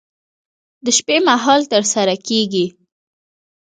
د شپې مهال ترسره کېږي.